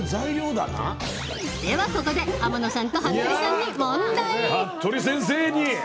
では、ここで天野さんと服部さんに問題。